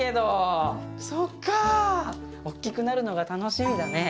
そっか大きくなるのが楽しみだね。